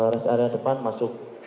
res area depan masuk